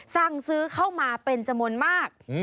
สั่งซื้อเข้ามาเป็นจำนวนมาก